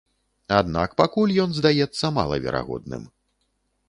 Аднак пакуль ён здаецца малаверагодным.